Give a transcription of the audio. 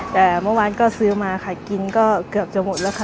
แต่เมื่อวานก็ซื้อมาค่ะกินก็เกือบจะหมดแล้วค่ะ